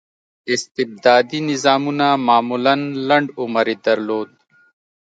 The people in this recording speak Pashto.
استبدادي نظامونه معمولا لنډ عمر یې درلود.